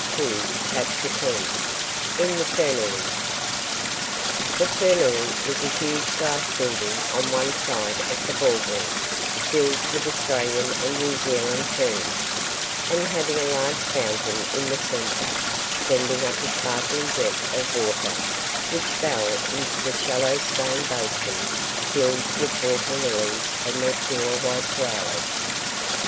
CHAPTER X IN THE FERNERY The fernery was a huge glass building on one side of the ballroom, filled with Australian and New Zealand ferns, and having a large fountain in the centre sending up a sparkling jet of water, which fell into the shallow stone basin filled with water lilies and their pure white flowers.